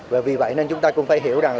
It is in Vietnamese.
và vì vậy nên chúng ta cũng phải hiểu rằng